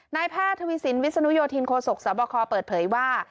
นายแพทย์ทวีสินวิศนุโยธินโคศกสบคเปิดเผยว่า